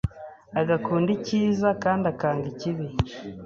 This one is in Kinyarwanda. agakunda icyiza, kandi akanga ikibi;